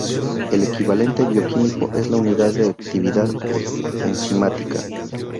El equivalente bioquímico es la unidad de actividad enzimática.